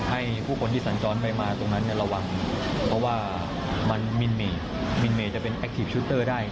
ให้ผู้คนที่สัญจรไปมาตรงนั้นระวังเพราะว่ามันมินเมมินเมย์จะเป็นแอคทีฟชุตเตอร์ได้